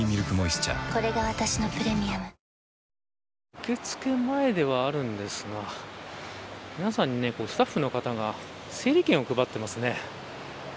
受け付け前ではあるんですが皆さんにスタッフの方が整理券を配っていますね。